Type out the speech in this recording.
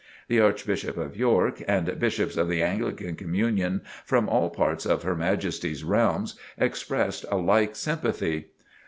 The Archbishop of York, and Bishops of the Anglican Communion from all parts of Her Majesty's realms, expressed a like sympathy.